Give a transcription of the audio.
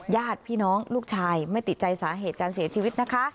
ญาติพี่น้องลูกชายไม่ติดใจสาเหตุการเสียชีวิตนะคะ